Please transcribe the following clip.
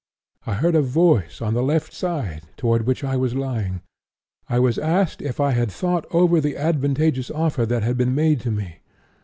I heard a voice on the left side, toward which I was lying. I was asked if I had thought over the advantageous offer that had been made to me.